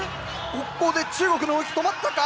ここで中国の動き止まったか？